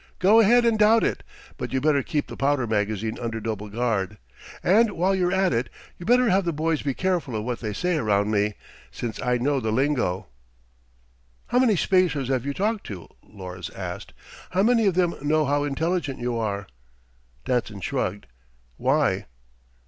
"Go ahead and doubt it, but you'd better keep the powder magazine under double guard. And while you're at it, you better have the boys be careful of what they say around me, since I know the lingo." "How many Spacers have you talked to?" Lors asked. "How many of them know how intelligent you are?" Danson shrugged. "Why?"